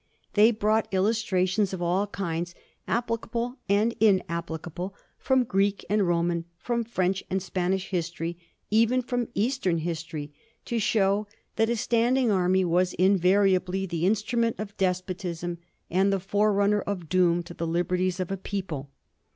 They hrought illustrations of all kinds, applicahle and in applicable, from Greek and Roman, from French and Spanish history, even from Eastern history, to show that a standing army was invariably the instrument of despotism and the forerunner of doom to the liberties of a people.